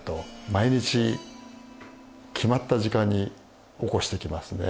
毎日決まった時間に起こしてきますね。